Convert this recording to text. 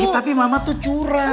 tapi mama tuh curang